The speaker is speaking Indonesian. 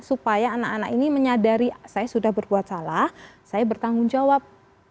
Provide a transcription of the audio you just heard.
supaya anak anak ini menyadari saya sudah berbuat salah saya bertanggung jawab